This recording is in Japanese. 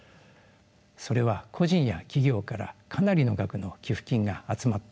それは個人や企業からかなりの額の寄付金が集まったということです。